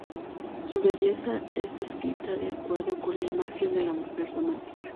Su belleza es descrita de acuerdo con la imagen de la mujer romántica.